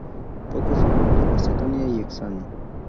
Poco soluble acetona y hexano.